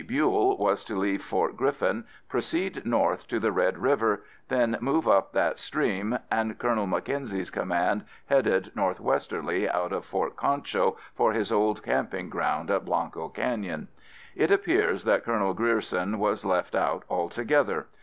Buell was to leave Fort Griffin, proceed north to the Red River then move up that stream, and Colonel Mackenzie's command headed northwesterly out of Fort Concho for his old camping ground at Blanco Canyon. It appears that Colonel Grierson was left out altogether.